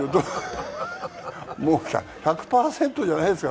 １００％じゃないですよ。